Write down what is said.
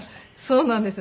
そうなんです。